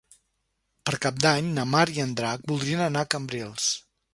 Per Cap d'Any na Mar i en Drac voldrien anar a Cambrils.